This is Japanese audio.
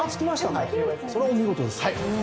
それはお見事です。